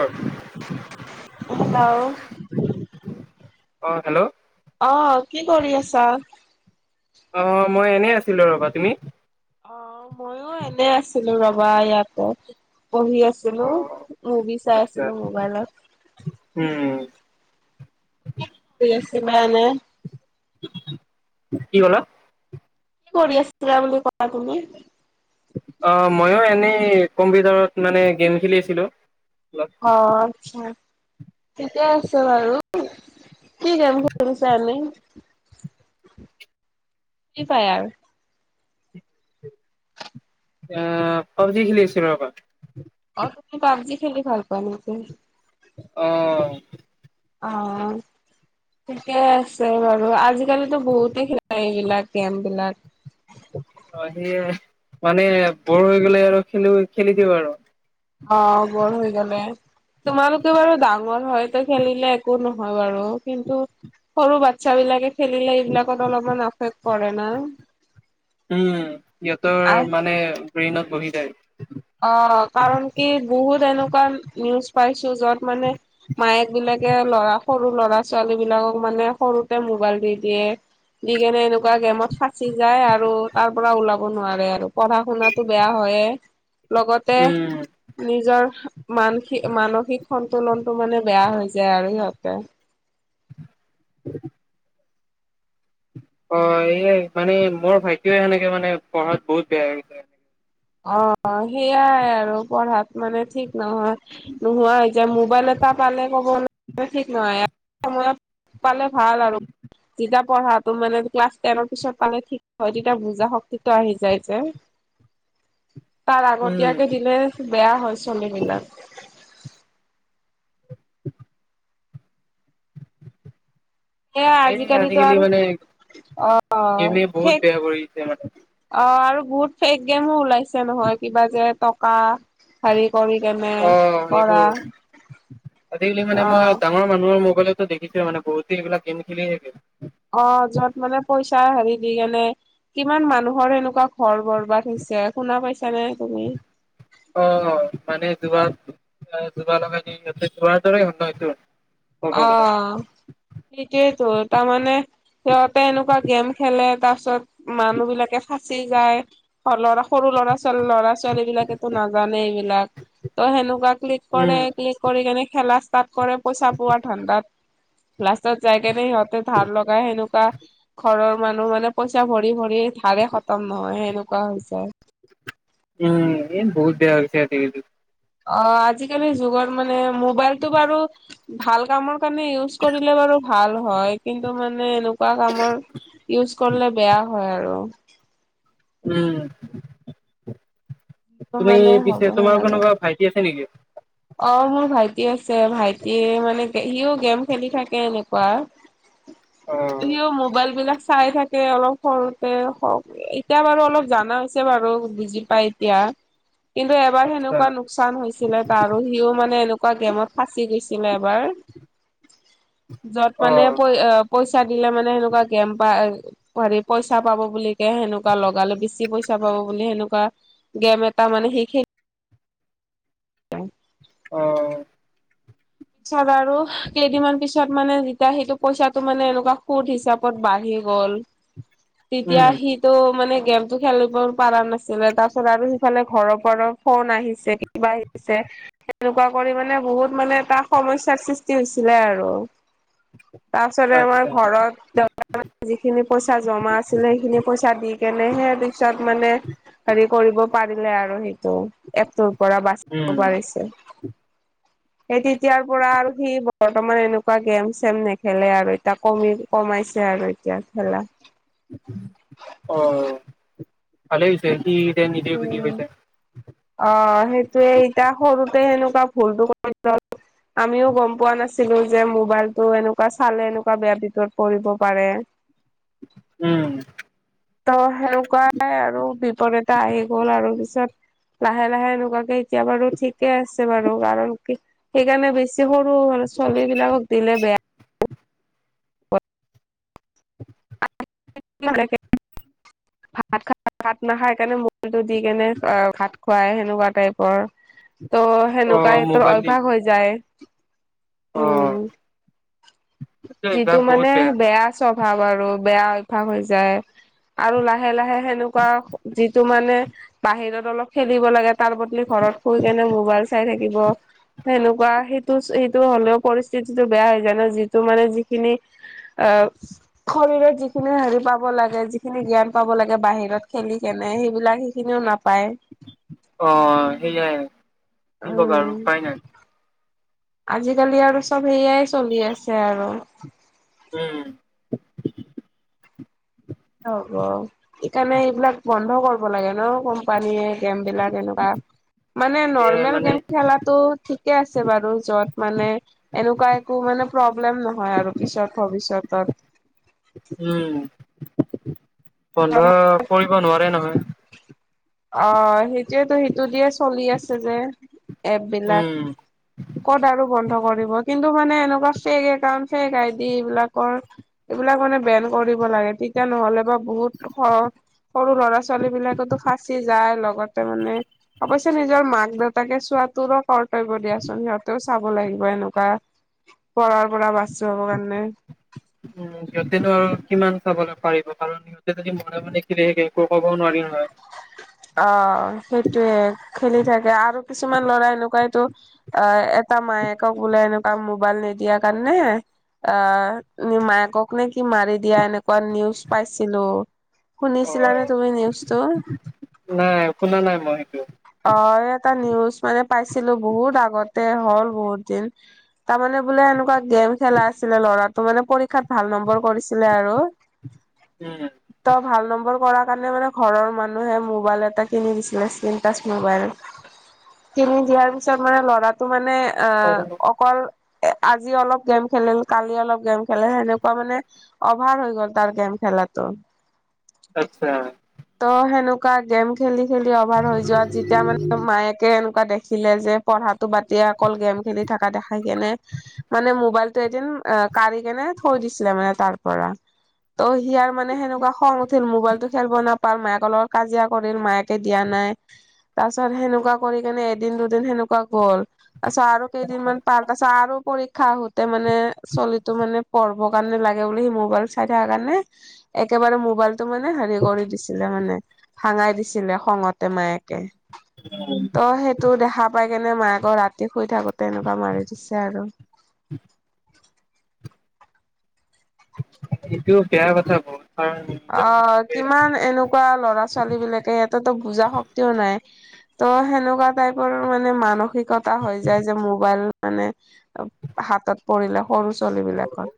অ [unintelligible] hello অ hello আহ কি কৰি আছা অ', মই এনেই আছিলো ৰবা তুমি অ', মইো এনে আছিলো ৰবা ইয়াততে পঢ়ি অ আছিলো মুভি চাই আচ্ছা আছিলো মোবাইলত উম আছি বে ন [unintelligible] কি কলা কি কৰি আছিল বুলি বুলি ক কি অ', মইো এনেই কম্পিউটাৰত মানে গেম খেলিছিলোঁ। অ', আচ্ছা ঠিকে আছে বাৰু কি ক মছো আ কি পাই আৰু অ পাবজি খেলি আছিল ৰবা অ', তুমি পাবজি খেললে ভাল পোৱা ন আহ অ িকে আছে বাৰু আজিকালিো বহুতেই খেলা এইবিলাক কেম্পবিলাক সি মানে বৰ হৈ গলে আৰু খেলি খেলি দিওঁ আৰু অ', বৰ হৈ গলে তোমালোকে বাৰু ডাঙৰ হয়তো খেলিলে একো নহয় বাৰু কিন্তু সৰু বাচ্ছ বিলাকে খেলিলে এইবিলাকত অলপমান এফেক্ট কৰে না উম সিহঁতৰ আহ মানে ব্ৰেইনত বহি যায়। অ', কাৰণ কি বহুত এনেকুৱা নিউজ পাইছো যত মানে মায়েকবিলাকে ল'ৰা খ সৰু ল'ৰা ছোৱালীবিলাকক মানে সৰুতে মোবাইল দি দিয়ে। দি কেনে এনেকুৱা গেমত ফাঁচি যায়, আৰু তাৰ পৰা ওলাব নোৱাৰে আৰু। পঢ়া শুনাতটো বেয়া হয়ে, লগতে উম নিজৰ মানসিক, মানসিক সন্তুলনটো মানে বেয়া হৈ যায় আৰু সিহঁতে। [inaudible] অ', এইয়াই মানে মোৰ ভাইটিও সেনেকে মানে পঢ়াত বহুত বেয়া হৈছে। অ', সেইয়াই আৰু পঢ়াত মানে ঠিক নহয়, নোহোৱা হৈ যায় মোবাইলত [inaudible] পঢ়াটো মানে ক্লাছ টেনৰ পিছত পালে ঠিক হয়, তেতিয়া বুজা শক্তিটো আহি যায় যে। [unintelligible] তাৰ উম আগতীয়াকে দিলে বেয়া হয়, ছোৱালীবিলাক। [inaudible] সেয়া এই আজিকালিতো আজিকালি আৰু মানে অ', গেমে বহুত বেয়া [unintelligible] অ', কৰি দিছে মানে আৰু বহুত ফেক গেমো ওলাইছে নহয় কিবা যে টকা [unintelligible] অ', কৰা সেইবোৰ। আজিকালি মানে মই অ', ডাঙৰ মানুহৰ মো বাইলটো দেখিছোঁ মানে বহুতে এইবিলাক গেম খেলি থাকে। অ', য'ত মানে পইচা হেৰি দি কেনে কিমান মানুহৰ এনেকুৱা ঘৰ বাৰ বৰবাদ হৈছে শুনা পাইছানে তুমি? জুৰা লগাই দিয়ে সিঁহতে জুৱা দৰে হয়, ন এইটো। ক'ব গ'লে অ', সিটোৱেতো তামানে সিহঁতে এনেকুৱা গেম খেলে তাৰপাছত মানুহবিলাকে ফাঁচি যায়, ল'ৰা সৰু ল'ৰা ছোৱালী, ল'ৰা ছোৱালীবিলাকেতো নাজানেই এইবিলাক। ত' সেনেকুৱা ক্লিক কৰে, উম ক্লিক কৰি কেনে খেলা ষ্টাৰ্ট কৰে পইচা পোৱাত লাষ্টত যায় কেনে সিহঁতে ধাৰ লগাই সেনেকুৱা ঘৰৰ মানুহ মানে পইচা ভৰি, ভৰি ধাৰে খতম নহয় সেনেকুৱা হৈ যায়। উম, এ, বহুত হৈছে আজিকালিটো। অ', আজিকালিৰ যুগৰ মানে মোবাইলটো বাৰু ভাল কামৰ কাৰণে ইউজ কৰিলে বাৰু ভাল হয়, কিন্তু মানে এনে কুৱা কামৰ ইউজ কৰিলে বেয়া হয় আৰু। উম, ত তুমি মানে হ'ব পিছে তোমাৰ নালাগে কোনোবা ভাইটি আছে নেকি? অ', মোৰ ভাইটি আছে, ভাইটি মানে সিও গেম খেলি থাকে এনেকুৱা। অ সিও মোবাইলবিলাক চাই থাকে অলপ সৰুতে হওঁক, এতিয়া বাৰু অলপ জানা হৈছে বাৰু বুজি পাই এতিয়া। [inaudible] কিন্তু এবাৰ আচ্ছা সেনেকুৱা লোকচান হৈছিলে তাৰো, সিও মানে এনেকুৱা গেমত ফাঁচি গৈছিলে এবাৰ। [unintelligible] য'ত অ মানে পই-পইচা দিলে মানে সেনেকুৱা গেম পায়। হেৰি পইচা পাব বুলি কে সেনেকুৱা লগালে বেছি পইচা পাব বুলি সেনেকুৱা, গেম এটা তাৰমানে সেইখিনি [inaudible] অ'। পিছত আৰু কেইদিনমান পিছত মানে যেতিয়া সেইটো পইচাটো মানে এনেকুৱা সুদ হিচাপে বাঢ়ি গ'ল, তেতিয়া উম সিটো মানে গেমটো খেলিব পাৰা নাছিলে, তাপিছত আৰু সিফালে ঘৰৰ পৰা ফোন আহিছে কিবা আহিছে সেনেকুৱা কৰি মানে বহুত মানে এটা সমস্যাৰ সৃষ্টি হৈছিলে আৰু। তাৰপিছতে আমাৰ আচ্ছা ঘৰত দেউতাৰ যিখিনি পইচা জমা আছিলে, সেইখিনি পইচা দি কেনে সেইয়া দিছাত মানে হেৰি কৰিব পাৰিলে আৰু সেইটো এপটোৰ পৰা উম বাচিব পাৰিছে। এতি য়াৰ পৰা আৰু সি বৰ্তমান এনেকুৱা গেম চেম নেখেলে আৰু এতিয়া কমি কমাইছে আৰু। এতিয়া কি খালা? অহ, ভালে হৈছে। সি এতিয়া নিজে বুজি উম', পাইছে অহ' সেইটোৱে ইটা সৰুতে সেনেকা ভুলতো কৰি লোৱাৰ কথা, আমিও গম পোৱা নাছিলোঁ। নাছিলোঁ যে মোবাইলতটো এনেকুৱা চালে এনেকুৱা বেয়া বিপৰত পৰিব পাৰে। উম। ত' সেনেকুৱাই আৰু বিপদ এটা আহি গ'ল আৰু পিছত। লাহে-লাহে এনেকুৱাকে এতিয়া বাৰু ঠিকে আছে বাৰু, কাৰণ কি সেইকাৰণে বেছি সৰু সৰু মানে চলিবিলাকক দিলে বেয়া। [unintelligible] ভাত খাব, ভাত নাখাই কাৰণে মোবাইটো দি কেনে ভাত খুৱাই সেনেকুৱা টাইপৰ ত' অ সেনেকুৱাই তো মোবাইল দি অভ্যাস হৈ যায়। অ উম, এইটো যিটো অভ্যাস বহুত মানে বেয়া চব অভাৱ আৰু বেয়া অভ্যাস হৈ যায় আৰু লাহ লাহে-লাহে সেনেকুৱা যিটো মানে বাহিৰত অলপ খেলিব লাগে তাৰ বদলি ঘৰত শুই কেনে মোবাইল চাই থাকিব। সেনেকুৱা সেইটো, সেইটো হ'লেও পৰিস্থিতিটো বেয়া হৈ যায় ন' যিটো মানে যিখিনি অহ, শৰীৰত যিখিনি হেৰি পাব লাগে যিখিনি জ্ঞান পাব লাগে বাহিৰত খেলি কেনে সেইবিলাক সেইখিনিও নাপায়। অহ, সেইয়াই কি কবা বাৰু উম উপায় নাই। আজিকালি আৰু চব সেয়াই চলি আছে আৰু। উম। কি হ'ব সেইকাৰণে এইবিলাক বন্ধ কৰিব লাগে ন' কোম্পানীয়ে। গেমবিলাক এনেকুৱা। মানে এ নৰ্মেল মানে গেম খেলাটো ঠিকে আছে বাৰু য'ত মানে এনেকুৱা একো মানে প্ৰব্লেম নহয় আৰু পিছত ভৱিষ্যতত। উম। বন্ধা কৰিব নোৱাৰে নহয়। অহ, সেইটোয়েতো সেইটো দিয়ে চলি আছে যে এপবিলাক। উম ক'ত আৰু বন্ধ কৰিব কিন্তু মানে এনেকুৱা ফেক একাউণ্ট ফেক আইডি এইবিলাকৰ এইবিলাক মানে বেন কৰিব লাগে তেতিয়া নহ'লে বা বহুত সৰু ল'ৰা-ছোৱালী বিলাকেতো ফাঁচি যায় লগত লগতে মানে অৱশ্যে নিজৰ মাক-দেউতাকে চোৱাটোৰ কৰ্তব্য দিয়াচোন, সিহঁতেও চাব লাগিব এনেকুৱা কৰাৰ পৰা বাচোৱাব কাৰণে। উম, সিহঁতেনো আৰু কিমান চাবলৈ পাৰিব কাৰণ সিহঁতে যদি মনে-মনে খেলি থাকে একো ক'বও নোৱাৰি। সেইটো হয়। অহ, সেইটোৱে খেলি থাকে আৰু কিছুমান ল'ৰা এনেকুৱাইতো অহ, এটা মায়েকক বোলে এনেকুৱা মোবাইল নিদিয়াৰ কাৰণে অহ, নি মায়েকক নে কি মাৰি দিয়া এনেকুৱা নিউজ পাইছিলোঁ। অ শুনিছিলানে তুমি নিউজটো? নাই শুনা নাই মই। সেইটো পাইছিলোঁ বহুত আগতে হ'ল বহুত দিন, তাৰমানে বোলে এনেকুৱা গেম খেলা আছিলে। ল'ৰাটো মানে পৰীক্ষাত ভাল নম্বৰ কৰিছিলে আৰু ত' ভাল নম্বৰ কৰা সেইকাৰণে মানে ঘৰৰ মানুহে মোবাইল এটা কিনি দিছিলে স্কিন স্কিনটাচ মোবাইল কিনি দিয়াৰ পিছত মানে ল'ৰাটো মানে অহ, উম অকল এ আজি অলপ গেম খেলিল, কালি অলপ গেম খেলিল, সেনেকুৱা মানে অভাৰ হৈ গ'ল তাৰ গেম। খেলাটো। আচ্ছা। সেনেকোৱা গেম খেলি খেলি অভাৰ হৈ যায়। যোৱা যেতিয়া মানে মায়েকে এনেকুৱা দেখিলে যে, পঢ়াটো বাতদিয়া অকল গেম খেলি থকা দেখাই কিনে মানে মোবাইলটো এদিন কাঢ়ি কেনে থৈ দিছিলে মানে তাৰ পৰা। ত সিয়াৰ মানে সেনেকুৱা খং উঠিল মোবাইলটো খেলিব নাপাল মায়াকৰ লগত কাজিয়া কৰিল মায়েকে দিয়া নাই। তাৰ পিছত সেনেকুৱা কৰি কেনে এদিন দুদিন সেনেকুৱা গ'ল।, তাৰপাছত আৰু কেইদিনমান পাৰ, তাৰপাছত আৰু পৰীক্ষা আহোতে মানে চলিতো মানে পঢ়িবৰ কাৰণে লাগে বুলি সি মোবাইল চাই থকাৰ কাৰণে একেবাৰে মোবাইল। তাৰ মানে হেৰি কৰি দিছিলে মানে ভাঙাই দিছিলে খঙতে মায়েকে। তই সেইটো দেখাত। পাই কেনে মায়েকে ৰাতি শুই থাকোঁতে এনেকুৱা মাৰি দিছে আৰু। এইটো বেয়া কথা বহুত। কাৰণ নিজৰ অহ, এনেকে কিমান এনেকুৱা ল'ৰা-ছোৱালীবিলাকে সিহঁতেটো বুজা শক্তিও নাই। অহ, ' সেনেকুৱা টাইপৰ মানে মানসিকতা হৈ যায় যে মোবাইল মানে হাতত পৰিলে সৰু ছোৱালীবিলাকৰ।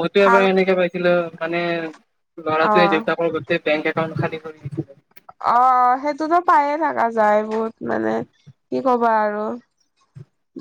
মইতো এবাৰ এনেকে পাইছিলোঁ মানে অ ল'ৰাটোৱে দেউতাকৰ গোতেই বেংক একাউণ্ট খালী কৰি দিছিলে। অহ', অহ'। সেইটোতো পায়ে থকা যায় বহুত মানে কি কবা আৰু।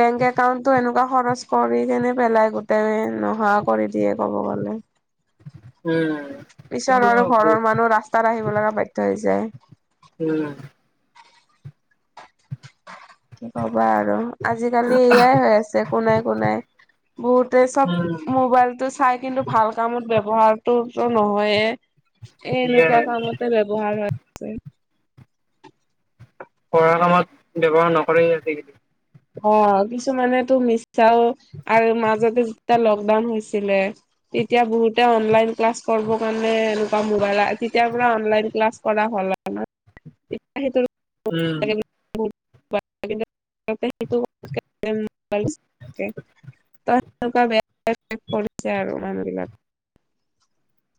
বেংক একাউণ্টটো এনেকুৱা খৰচ কৰি কেনে পেলাই গোটেই নোহোৱা কৰি দিয়ে ক'ব গ'লে। উম। এইটো পিছত আৰু ঘৰৰ বহুত মানুহ ৰাস্তাত আহিব লগা বাধ্য হৈ যায়। উম কি কবা আৰু। আজিকালি এয়াই হৈ আছে একো নাই একো নাই। বহুতে চব উম, মোবাইলটো চাই কিন্তু ভাল কামত ব্যৱ ব্যৱহাৰটোতো নহয়ে এই সেয়াই এনেকুৱা কামতে ব্যৱহাৰ হৈ‌ আছে। পঢ়া কামত ব্যৱহাৰ নকৰে আজিকালি। অহ, কিছুমানেতো মিছাও আৰু মাজতে যেতিয়া লকডাউন হৈছিলে তেতিয়া বহুতে অনলাইন ক্লাছ কৰিবৰ কাৰণে এনেকুৱা মবাইল তেতিয়া পৰা অনলাইন ক্লাছ কৰা হ'ল। [unintelligible] এতিয়া সেই উম। [unintelligible] [unintelligible] এনেকুৱা বেয়া কৰিছে আৰু মানুহবিলাক।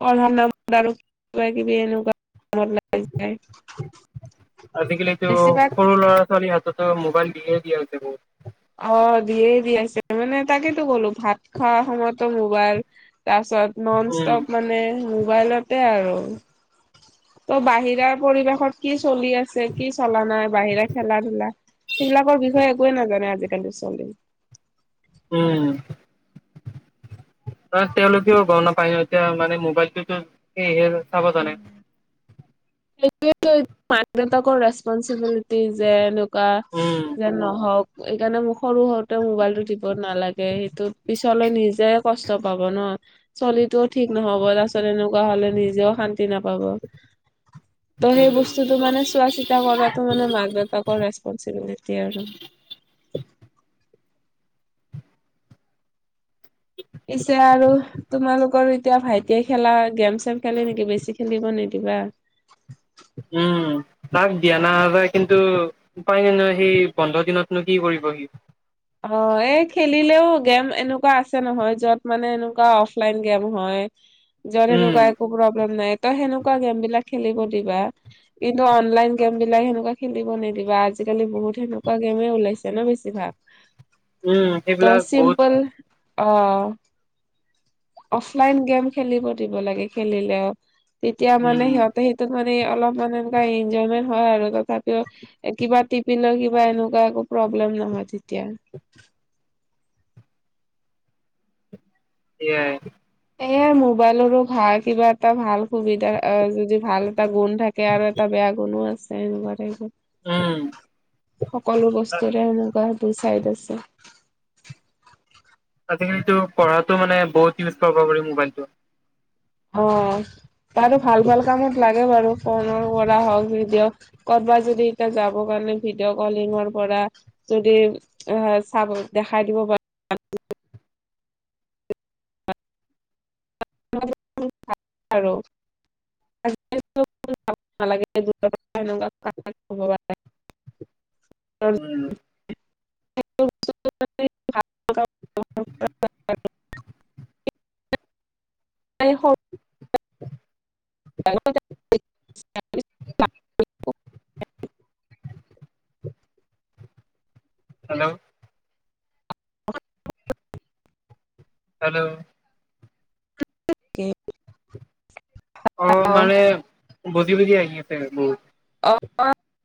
পঢ়াৰ নামত আৰু কিবা-কিবি এনেকুৱা। কামত লাগি যায় আজিকালিটো বেছিভাগ সৰু ল'ৰা-ছোৱালীৰ হাতত মোবাইল দিয়ে দিয়াছে বহুতক। অহ, দিয়েই দি আছে, মানে তাকেতো ক'লো ভাত খোৱা সময়তো মোবাইল। তাৰপিছত ন'ন উম, ষ্টপ মানে মোবাইলতে আৰু। ত' বাহিৰাৰ পৰিৱেশত কি চলি আছে কি চলা নাই, বাহিৰে খেলা-ধূলা সেইবিলাকৰ বিষয়ে একোৱে নাজানে আজি আজোকালিৰ চলি। উম। অহ, তেওঁলোকেও গম নাপায় ন' এতিয়া মানে মোবাইলটোতো চাব জানে। সেইটোৱেইটো মাক-দেউতাকৰ ৰেচ ৰেচপন চিবিলিটি যে এনেকুৱা উম, যে নহওঁক। এইকাৰণতে মোক সৰু সৰুতে মোবাইলটো চাব নালাগে সেইটো পিছলৈ নিজে কষ্ট পাব ন'। চলিটোও ঠিক নহ'ব তাৰপিছত এনেকুৱা হ'লে নিজেও শান্তি নাপাব। ত' সেই উম, বস্তুতটো মানে চোৱা চিতা কৰাতো মানে মাক-দেউতাকৰ ৰেচপনচিবিলিটি আৰু। [unintelligible] পিছে আৰু তোমালোকৰ এতিয়া ভাইটিয়ে খেলা গেম-চেম খেলি নেকি, বেছি খেলিব নিদিবা। কিবা। উম তাক দিয়া নাাযায় কিন্তু পায় ন নয় সেই বন্ধ দিনতনো কি কৰিব বহি অ এই খেলিলেও গেম এনেকুৱা আছে নহয় যত মানে এনেকুৱা অফলাইন গেম হয়। যত উম, সেনেকুৱা একো প্ৰব্লেম নাই ত সেনেকুৱা গেম বিলাক খেলিব দিবা কিন্তু অনলাইন গেম বিলাক সেনেকুৱা খেলিব নিদিবা আজিকালি বহুত তেনেকুৱা গেমে ওলাইছে ন বেছি ভাগ। উম, ত সেইবিলাক বহুত চিম্পল অ অফলাইন গেম খেলিব দিব লাগে খেলিলেও তেতিয়া মানে উম, সিহঁতে সেইটোক [unintelligible] অলপমান এনেকুৱা ইনজম হয় আৰু তথাপিও কিবা টিপিলে কিবা এনেকুৱা [unintelligible] প্ৰব্লেম নহয় তেতিয়া। এয়াই। এয়াই মোবাইলৰো ভাল কিবা এটা ভাল সুবিধা যদি ভাল এটা গুণ থাকে আৰু এটা বেয়া গুনো আছে এনেকুৱাতে উম। সকলো বস্তুৰে সেনেকুৱা টো চাইড আছে। আজিকালিতটো পঢ়াটো মানে বহুত ইউজ কৰিব পাৰি মোবাইলটো। অ। বাৰু ভাল ভাল কামত লাগে বাৰু ফোনৰ পৰা হওক ভিডিঅ' কৰ'বাত যদি এতিয়া যাব কাৰনে ভিডিঅ' কলিংৰ পৰা যদি আহ চাব দেখাই দিব পাৰ। [unintelligible] আৰু [unintelligible] [unintelligible] অ উম। [unintelligible] [unintelligible] ত [unintelligible] [unintelligible] [unintelligible] হেল্ল'। হেল্ল' [unintelligible] আহ। বজি বজি আহিআছে অঁ। [unintelligible]